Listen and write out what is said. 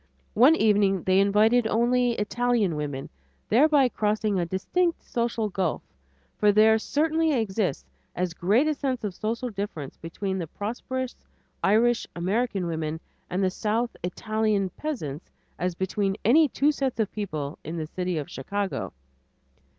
One evening they invited only Italian women, thereby crossing a distinct social "gulf," for there certainly exists as great a sense of social difference between the prosperous Irish American women and the South Italian peasants as between any two sets of people in the city of Chicago.